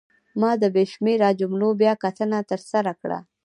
ما د بې شمېره جملو بیاکتنه ترسره کړه.